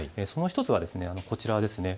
その１つはこちらです。